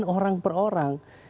orang per orang